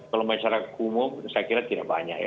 kalau masyarakat umum saya kira tidak banyak ya